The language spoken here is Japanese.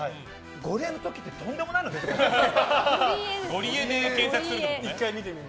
ゴリエの時って、とんでもないの出てくるんじゃない？